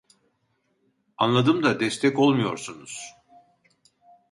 Anladım da destek olmuyorsunuz